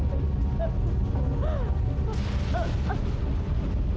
bagaimana itu bisa berhasil